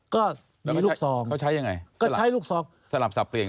ก็มีลูกสองก็ใช้ลูกสอง